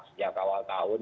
sejak awal tahun